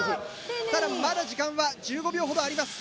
ただまだ時間は１５秒ほどあります。